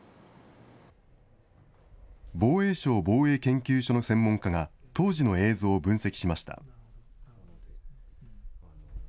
防衛省防衛研究所の専門家が当時の映像を分析しました。